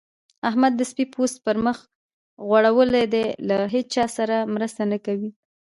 احمد د سپي پوست پر مخ غوړول دی؛ له هيچا سره مرسته نه کوي.